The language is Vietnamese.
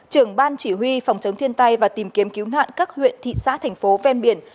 trưởng ban chỉ huy phòng chống thiên tai và tìm kiếm cứu nạn các huyện thị xã thành phố ven biển